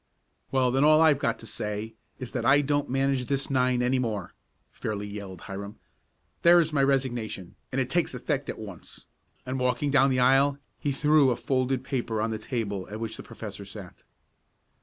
"Well, then all I've got to say is that I don't manage this nine any more!" fairly yelled Hiram. "There's my resignation, and it takes effect at once!" and, walking down the aisle he threw a folded paper on the table at which the professor sat.